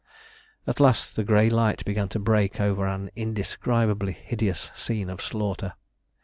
At last the grey light began to break over an indescribably hideous scene of slaughter.